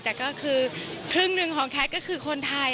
แต่ก็คือครึ่งหนึ่งของแคทก็คือคนไทย